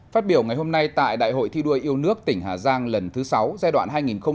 phát biểu ngày hôm nay tại đại hội thi đua yêu nước tỉnh hà giang lần thứ sáu giai đoạn hai nghìn hai mươi hai nghìn hai mươi năm